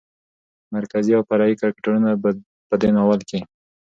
مرکزي او فرعي کرکترونو په دې ناول کې